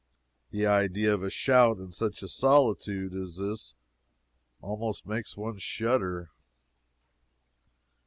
The idea of a shout in such a solitude as this almost makes one shudder.